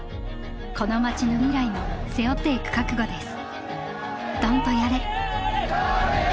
この町の未来も背負っていく覚悟です。